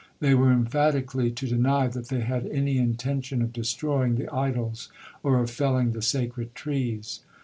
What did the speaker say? They were emphatically to deny that they had any intention of destroying the idols or of felling the sacred trees.